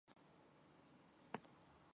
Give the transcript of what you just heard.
该物种的保护状况被评为极危。